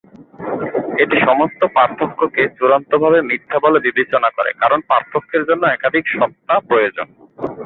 এটি সমস্ত পার্থক্যকে চূড়ান্তভাবে মিথ্যা বলে বিবেচনা করে কারণ পার্থক্যের জন্য একাধিক সত্তা প্রয়োজন।